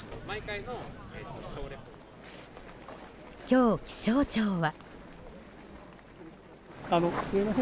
今日、気象庁は。